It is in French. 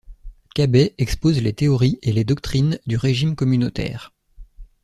Cabet expose les théories et les doctrines du régime communautaire.